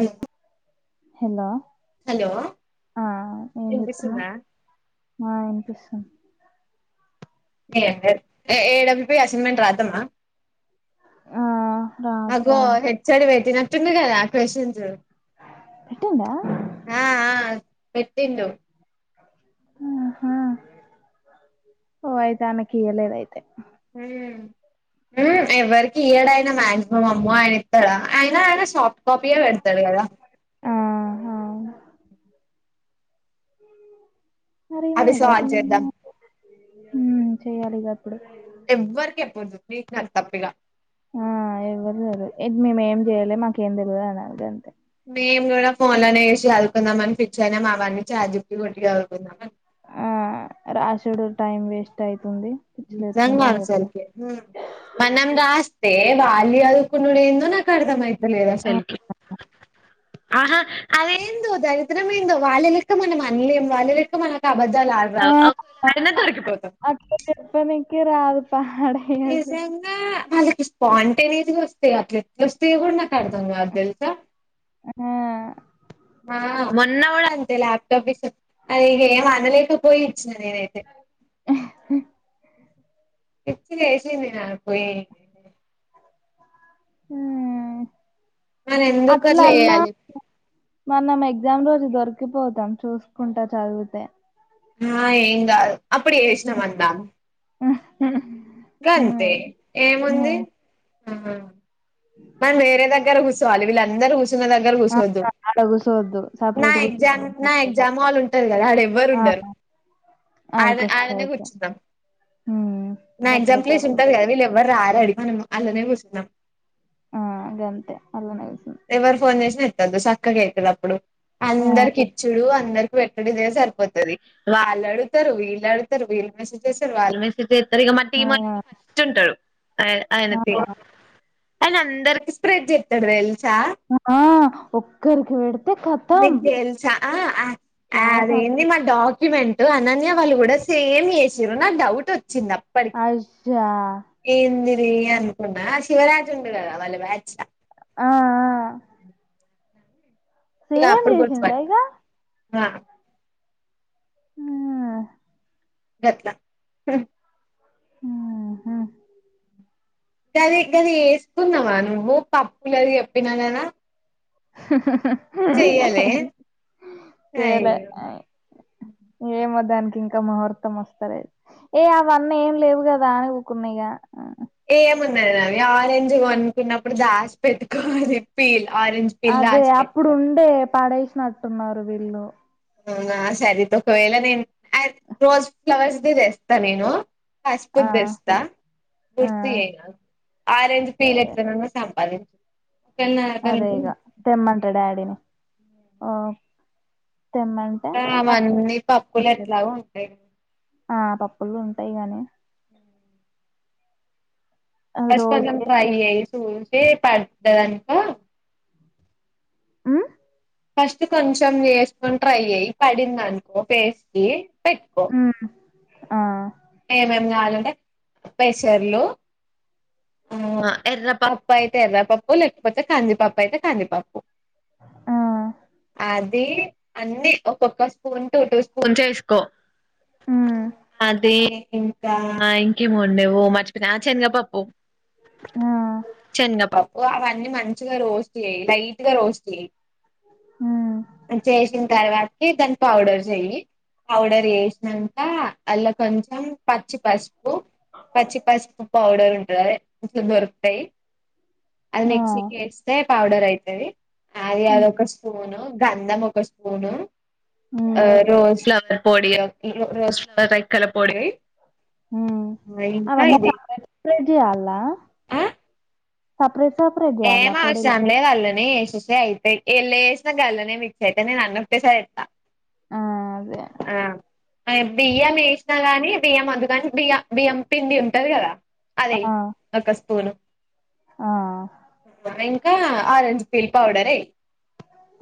ఉ hello ఆ ఏం వినిపిస్తుందా చెత్తున్నావు ఆ వినిపిస్తుంది అ ఏడబ్ల్యూ అసైన్మెంట్ రాద్దామ ఆ అగో రాద్దాం హెచ్చడి పెట్టినట్టుంది కదా క్వషన్స్ పెట్టిందా ఆ పెట్టిండు ఉహు ఓ అయితే అయనకియలేదు అయితే ఊ ఉ ఎవరికి ఈడయినా మాక్సిమం అమ్మ ఆయన ఇత్తాడ ఆయన ఆయన సాఫ్ కొప్పిగా పెడుతడు కదా ఆ అవును మరేమో అది సాల్వ్ చేద్దాం ఎవరిమా హు చెయ్యాలిగా అప్పుడు ఎవ్వరికి చెప్పొద్దు నీకు నాకు తప్పిక ఆ ఎవ్వరు లేరు ఏ మేము ఏం చేయ్యాలే మాకేం తెలవదు అన్నది అంతే మేము కూడా ఫోన్లోనే చేసి చదువుకుందామని ఫిక్స్ అయినా మా అవన్ని చాట్ జీపీటి కొట్టి చదువుకుందాం ఆ రాశిడు టైమ్ వేస్ట్ అయి నిజంగా అస్సలకి మనం రాస్ ఏ వాళ్ళే చదుకునుడు ఏందో నాకు అర్థమయితలేదు ఆ అసలకి ఆహా అదేందో దరిద్రం ఏందో వాళ్ళె లక్క మనం అన్ని వాళ్ళు లక్క మన అబద్దాలు ఆడరాదు ఆ, వెంటనే దొరికిపోతాం పనికిరాదు నిజంగా మళ్ళ కిష్ పాంటనియస్ గా వస్తయి అట్లెట్ల వస్తాయో కూడా నాకు అర్థం కాదు తెలుసా ఆ ఆ మొన్న కూడా అంతే ల్యాప్టాప్ ఇస్తా అది ఏం అనలేకపోయి ఇస్ నేనయితే గట్టిగా ఏసింది గా పోయి ఊ మనం ఎందుకు అట్లా అట్లన్నా చేయాలి మన ఎగ్జామ్ రోజు దొరికిపోతాం చూసుకుంటా చదివితే ఆ ఏం గాదు అప్పుడు ఏసినాం అంటా ఉ గంతే ఏముంది ఆహా మనం వేరే దగ్గర కూచోవాలి వీళ్ళందరూ కుసున దగ్గర కూసోవద్దు ఆడ కూసోద్దు నా సపరేట్ కూర్చు ఎగ్జామ్ నా సపరేట్ ఎగ్జామ్ వాళ్ళు ఉంటారు కదా ఆడేవ్వరు ఆ ఉండరు ఆడ ఆడికొస్తా ఆడనే అయితే కూర్చుందాం ఉమ్ నా సపరేట్ ఎగ్జాంపుల్ ఆడ వేసి ఉంటది కూర్చుందాం కదా వీళ్ళు ఎవ్వరు రారు అడిగినము అల్లానే కూర్చున్నాం ఆ గంతే అల్లనే కూసుం ఎవర్ ఫోన్ చేసినా సక్కగా అయితదప్పుడు ఆ అందరికిిచ్చుడు అందరు ఎక్కడిద సరిపోతది వాళ్ళు అడుగుతారు వీళ్ళు అడుగుతారు వీళ్ళు మెసేజ్ చేస్తారు వాళ్ళ మెసేజ్ అదిగో మా ఆ టీమ్ అయితే ఫస్ట్ ఉంటరు అ అయిన ఆ టీం అయని అందరికి స్ప్రేడ్ చె ఆ ఒక్కరికి వెడ్ నీక్ తెల్సా ఆ క్లాస్ అం అదేంది మా డాగ్ క్యుమెంట్ అనన్య వాళ్ళు కూడా సేమ్ చేసిర్రూ నాకు డౌట్ వచ్చింది ఆ ఆ [unintelligible] యా మీ అనుకున్న శివరాజు ఉంటాడు కదా వల్ల బ్యాచ్ ఆ ఆ ఇగ సేమ్ అప్పుడు చేసిందా గుర్తుపట్టిన ఇగ ఆ హ్మ్ గట్ల హమ్ హ్మ్ కానీ గనీ ఎసుకున్నావా నువ్వు పప్పుల [unintelligible] చెప్పినా కదా హా హా హా చెయ్యలే చేయాలే చేలే అయ్యో ఏమో దాన్ కి ఇంకా ముహూర్తం వస్తా లేదు ఏ అవన్నీ ఏం లేవు కదా అని ఊకున్నా ఇగ ఏమున్నాది అవి ఆరెంజ్ కొనుక్కున్నప్పుడు దాస్ పెట్టుకోవాలి పీల్ ఆరెంజ్ పీల్ అదే దాసి అప్పుడు పెట్టుకో ఉండే పడేసినట్టున్నారు వీళ్ళు అవునా సరితే ఒకవేళ నేను ఆ రోజ్ ఫ్లవర్స్ది చేస్తా నేను ఆ పసుపుది తేస్తా ఆ గుర్తు చేయి నాకు ఆరెంజ్ పీలు సరే ఎట్లనో సంపాదించ అదే ఇగ తేమంటా డాడీ నీ ఓ తెమ్మంటే ఇకా అవన్నీ పప్పులు అడుక్కుంటారు. ఎట్లా ఉంటాయి ఆ పప్పులుు ఉంటాయి గానీ ఫస్ట్ రోజు కొంచం ట్రై చేసి చూసి పడది అనుకో ఉమ్ ఫస్ట్ కొంచెం వేసుకొని ట్రై చేయి పడిందినుకో ఫేస్ కి పెట్టుకో ఉమ్ ఆ ఏమేం కావాలంటే పెసర్లు ఉమ్ ఆ ఎర్రపాప్పు అయితే ఎర్రపప్పు లేకపోతే కందిపప్పు అయితే కాందిపప్పు ఆ అది అన్ని ఒక్క ఒక స్పూన్ టూ టూ స్పూన్స్ ఏసుకో ఉమ్ ఇంకా ఇంకేమో ఉండేవో మర్చిపోయి ఆ చనగాపప్పు ఆ చిన్నపప్పు అవన్నీ మంచిగా రోస్ట్ చేయి లైట్గా రోస్ట్ చేయి ఉమ్ చేసిన తర్వాత ఈ దాన్ని పౌడర్ చెయి పౌడర్ చేసినంకా అల్లం కొంచం పచ్చి పసుపు పచ్చి పసుపు పౌడర్ ఉంటంది ఇట్లు దొరుతాయి అది ఆ మిక్సీకి ఏస్తే పౌడర్ అయితది ఆ [unintelligible] ఆది ఒక స్పూను గంధం ఒక స్పూను ఆ ఉమ్ రోస్ ఫ్లవర్ పొడి రోజ ఫ్లవర్ రైకాల పొడి ఉమ్ అవన్నీ సపరేట్ సపరేట్ చేయాలానా సపరేట్ సపరేట్ చేయాలా ఏం పొడులు ఆవశాం లే కల్ ట్లనే ఎసేస్తే అయిపాయి [unintelligible] ఆ అదే ఆ అ బియ్యం వేసినా గానీ బియ్యం అదు కాని బియ్య బియ్యం పిండి ఉంటది కదా అదే ఆ ఒక స్పూను ఆ ఇంకా ఆరెంజ్ పీల్ పౌడర ఎయి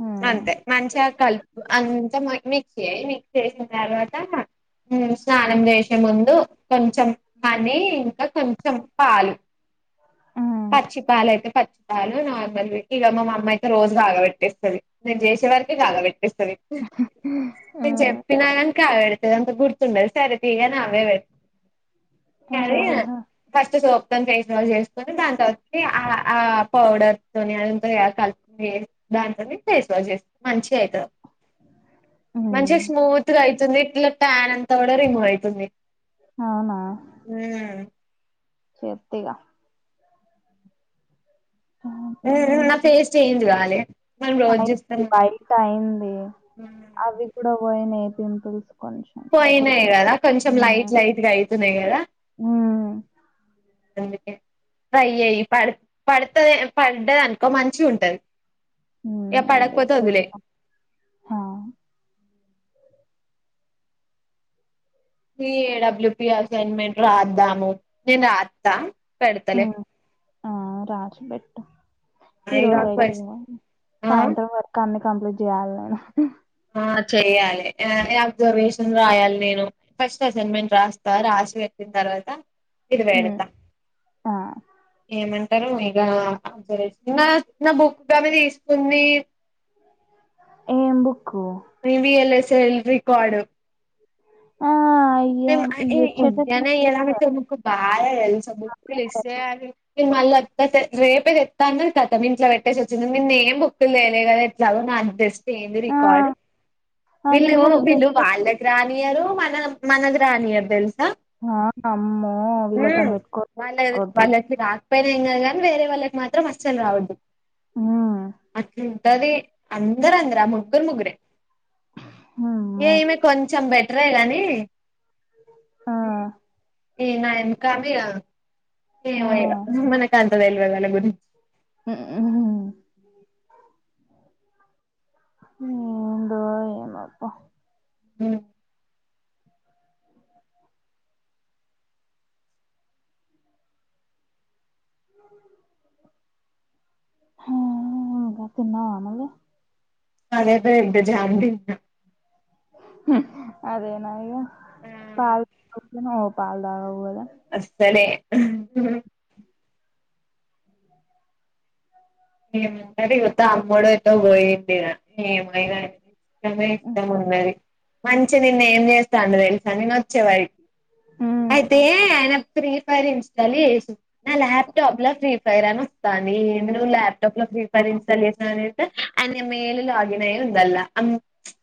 ఉమ్, అంతే మంచిగా కలుపు అంతా మీ క్స్ చేయి మిక్సి చేసిన తర్వాత ఉమ్ స్నానం చేసే ముందు కొంచెం హానీ ఇంకా కొంచెం పాలు ఉమ్, పచ్చి పాలయితే పచ్చలు నార్మల్ ఇక మా అమ్మ అయితే రోజు కాగబెట్టేస్తుంది నేను చేసే వరకి కాగబట్టి స్థాధి నేను ఉమ్, చెప్పినా గానీ కగబెడుతది అంత గుర్తుండాలి సర తీగా నా అవే పెడ అది ఆహా ఫస్ట్ సోప్తం చేసిన వాళ చేసుకొని దాని తచ్చటి ఆ ఆ పౌడర్ తోని అ కలిపి దాంతో ఫేస్ వాష్ చేస్తా మంచిగ అవుత ఉమ్. మంచి స్మూత్గా అవుతుంది ఇట్లా టాన్ అంత తా కూడా రిమూవ్ అవుతుంది అవునా చేతిగా నా ఫేస్ చేంజ్ కాలే మనం రోజు చూస్తాం అయి బయట అయింది ఉమ్ అవి కూడా పోయినాయి పిన్పుల్స్ పోయినాయి కదా కొంచెం లైట్ లైట్గా అయితున్నాయి కదా ఉమ్ ట్రై చేయి ప పడుతది పడ్దది అనుకో మంచిగ ఉంటది ఉమ్, అదే పడకుపోతే వదిలేయి చేస్తాం ఆ ఏడబ్ల్యూ ప అసైన్మెంట్ రాద్దాము నేను రాద్దా పేడతలే ఉమ్ ఆ రాసి పెట్టు ఈ ఇగ రోజు అవుతుంది ఫస్ట్ మీ ఆ సాయంత్రం వరకు అమె కంప్లీట్ చేయాల నేను ఆ చెయ్యాలి అబ్జర్వేషన్ రాయాలి నేను ఫస్ట్ అసైన్మెంట్ రాస్తా రా సి పెట్టిన తర్వాత ఇది ఉమ్, పెడతా ఆ ఏమంటారు రే నా నా బుక్గామె తీసుకుంది ఏ ఎందుకు విఎల్ఎస్ఎల్ రికార్డు ఆ అయ్యా ఇయ్యొచ్చేటప్పుడు బాధ తెలుసా బుక్ లు ఇస్తే ను మళ్ళ అత్త రేపే చెస్తా అన్నారు కదా మీ ఇట్ పెట్టేసి వచ్చింది మీరు ఏ బుక్లు తేలే కదా ఎట్లా అవునా అ బెస్ట్ ఏంది ఆ రికార్డు అదే వీళ్ళు కదా వీళ్ళు తెస్తే వాళ్ళకి రానియరు మన మనకి రానియారు తెలుసా ఆ అమ్మో వీళ్లతో పెట్టుకొనే పెట్టుకోవదు పైన ఏం కాగానీ వేరే వాళ్ళకి మాత్రం అస్సలు రావద్దు ఉమ్ అట్లా ది అందరు అందరే ముగ్గురు ముగ్గురే అమ్మో ఏమి కొంచెం పెట్ సరే కానీ ఆ ఇంకా ఆ ఏమో ఇక మనకు అంత తెలవదు వల్ల గురి హ్మ్మ్ ద ఏమప్ప హమ్ అ అంతేనా మళ్ళీ అదే ప ఎంట జాన్న్నా అదేనా ఆ పాల్ ఓ పాల్ దా అస్సలే ఏమ యుత అమ్మడుతో పోయిందిమై ఇష్టమే ఇష్టం ఉన్నది మంచిగా నిేన్న ఏం చేస్తాను తెలుసా నేను వచ్చేవారికి ఉమ్ అయితే ఆయన ఫ్రీ ఫైర్ ఇంచాలి చేసి నా ల్యాప్టాప్ లో ఫ్రీ ఫైర్ అని వస్తాను నువ్వు ల్యాప్టాప్ లో ఫ్రీ ఫైర్ ఉమ్, ఇన్స్టాల్ చేసాని అ మేలు లో లాగిన్ అయ్యను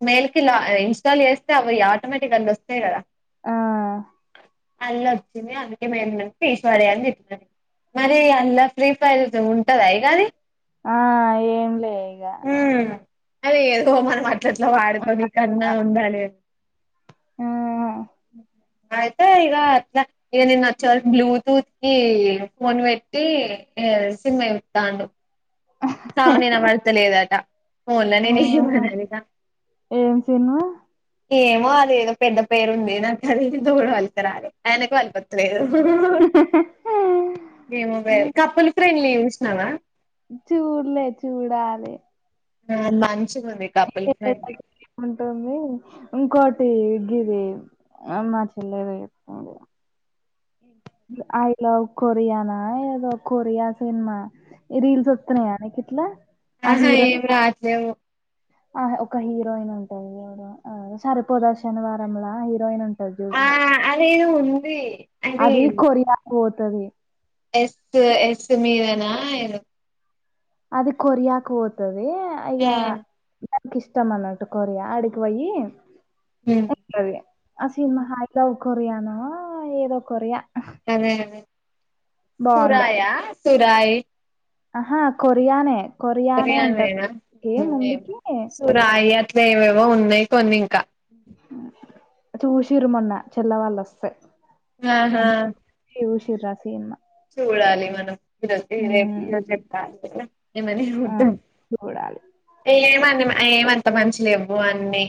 మేల్ కి ఇన్స్టాల్ చేస్తే అవిట బస్తా కదా ఆ అల్ళ వచ్చింది అందుకే మేము ఈశ్వర్య అన్ని చెప్పినా నేను మరి అలా ఫ్రీ ఫైర్ ఉంటద ఇక అది ఆ ఏంలే ఇగ అదే ఇగ సో మనం మర్ ఇట్ల వాడకోనీకన్నా ఆ ఉండాలే? ఆ. అయితే ఇక అట్లా ఇక నేను అచ్చే వరకు బ్లూటూత్కి ఫోన్ పెట్టి ఏ సిన్మా చూత్తాండు. సౌండ్ వినబడ్త లేదట. పోన్లే అని నే ఆహా మననిక ఏం సినిమా ఏమో అదేదో పెద్ద పేరు ఉంది. నాకు అది ఏందో కూడా వలిత్తరాదు ఆయనకు వలిపత్తలేదు. ఏమో కపుల్ ఫ్రెండ్లీ చూసినావా? చూడ్లే చూడాలి. ఆ మం ఉంటుంది ఇంకోట్ గిది అమ్మా చెల్లి ది చేత్తుర్రు ఇగ. ఉమ్ ఐ లవ్ కొరియానా ఏదో కొరియా సినిమా ఈ రీల్స్ వత్తున్నాయా నీకిట్లా? ఆహా ఏం రావట్లేవు. ఆ ఒక హీరోయిన్ ఉంటాదిచూడు, సరిపోద శనివారంలా హీరోయిన్ ఉంట అది ఆ చూడు అదేదో ఉంది అది కొరియాకి పోతది. ఎస్త్ ఎస్ మీరనా ఏదో అది కొరియాకి పోతది ఇగ ఆ కిష్టం అన్నట్టు కొరియా ఆడికి పొయ్యి ఉమ్ ఆ సినిమా హై లవ్ కొరియానో ఏదో కొరియా అదే అదే బావుంది. సురయా సురాయ్ ఆహా కొరియానేే కొరియానేనా ఉమ్ ఏమో సురాయ ఏవేవో ఉన్నాయ్ కొన్ని ఇంకా చూసిర్రు మొన్న చెల్ల వాళ్ళొస్తే ఆహా చిర్రా సీన్మా చూడాలి మనం ఈరో రేపు హ్మ్. ఈరోజేపు కాలీనేగా ఏ మనిషి మొత్తం చూడాలి. ఏమా ఏమంత మంచి లేవు అన్ని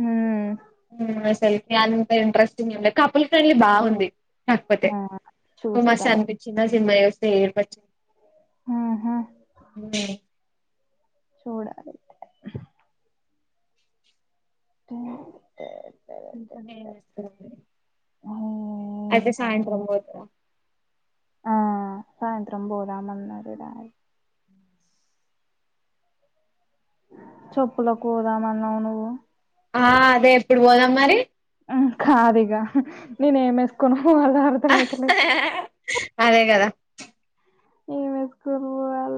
హ్మ్. మ్ అసలు అంత ఇంట్రెస్టింగ్ ఏమ్లేద్ కపుల్ ఫ్రెండ్లీ బాగుంది కాక్పోతే ఆ! చూస్తా మస్తు నేను. అన్పిచ్చింది ఆ సినిమా చూస్తే ఏడుపచ్చింది. ఆహా! చూడాలైతే [unintelligible] ఇంకనే వస్తాది అయితే సాయంత్రం పోతరా? ఆ సాయంత్రం పోదామన్నారు డాయ్ చెప్పులకు పోదామన్నావు నువ్వు ఆ అదే ఎప్పుడు పోదాం మరి కాదుఇగ నేనే ఏమేసుకుని పోవాలి అర్థమైతలే అదే కదా ఏ మేస్కొ పోవల్ల